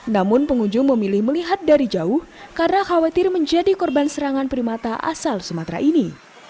namun pengunjung memilih melihat dari jauh karena khawatir menjadi korban serangan primata asal sumatera ini